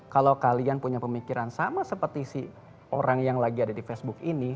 kalau kalian punya pemikiran sama seperti si orang yang lagi ada di facebook ini